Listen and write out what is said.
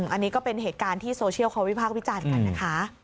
อันนี้ก็เป็นเหตุการณ์ที่โซเชียลเขาวิพากษ์วิจารณ์กันนะคะ